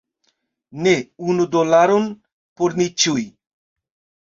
Ne, unu dolaron por ni ĉiuj.